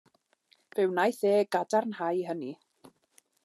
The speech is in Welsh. Fe wnaeth e gadarnhau hynny.